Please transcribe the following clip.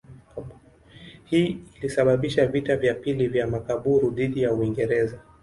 Hii ilisababisha vita vya pili vya Makaburu dhidi ya Uingereza.